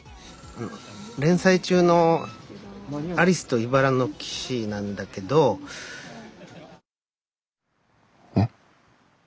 連載中の「アリスといばらの騎士」なんだけど。え？